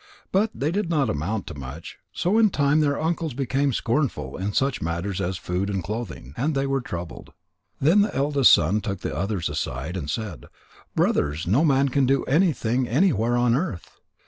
But they did not amount to much, so in time their uncles became scornful in such matters as food and clothing. And they were troubled. Then the eldest took the others aside and said: "Brothers, no man can do anything anywhere on earth.